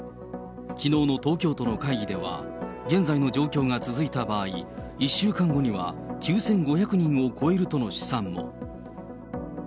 きのうの東京都の会議では、現在の状況が続いた場合、１週間後には９５００人を超えるとの試算も。